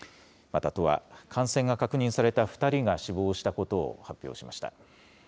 また都は、感染が確認された２人が死亡したことを発表しました。